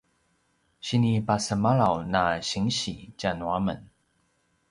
sinipasemalaw na sinsi tja nuamen